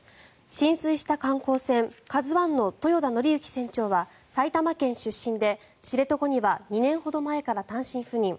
浸水した観光船「ＫＡＺＵ１」の豊田徳幸船長は埼玉県出身で知床には２年ほど前から単身赴任。